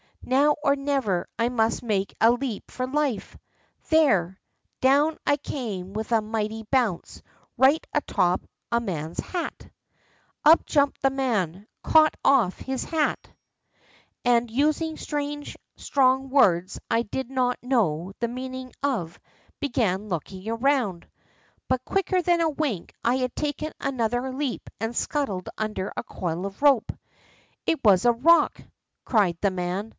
Now or never I must make a leap for life ! There ! Down I came with a mighty bounce, right atop of a man's hat ! Up jumped the man, caught off his hat, and, using strange, strong words I did not know the meaning of, began looking around. But quicker than a wink I had taken another leap, and scuttled under a coil of rope. ' It was a rock !' cried the man.